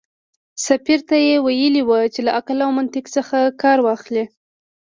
سفیر ته یې ویلي و چې له عقل او منطق څخه کار واخلي.